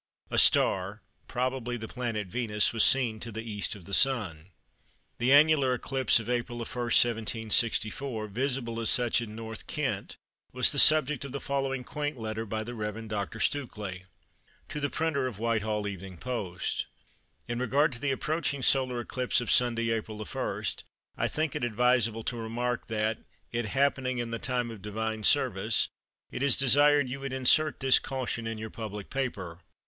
A "star" (probably the planet Venus) was seen to the E. of the Sun. The annular eclipse of April 1, 1764, visible as such in North Kent, was the subject of the following quaint letter by the Rev. Dr. Stukeley:— "To the Printer of Whitehall Evening Post,— "In regard to the approaching solar eclipse of Sunday, April 1, I think it advisable to remark that, it happening in the time of divine service, it is desired you would insert this caution in your public paper.